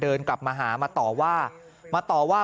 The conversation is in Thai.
เดินกลับมาหามาต่อว่า